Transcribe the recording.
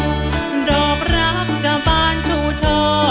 ก็ดอบรักจากบ้านชู่ช่อ